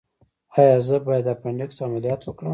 ایا زه باید د اپنډکس عملیات وکړم؟